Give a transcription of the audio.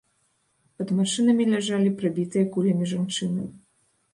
Пад машынамі ляжалі прабітыя кулямі жанчыны.